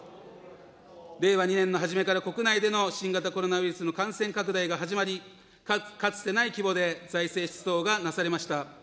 令和２年の初めから国内での新型コロナウイルスの感染拡大が始まり、かつてない規模で財政出動がなされました。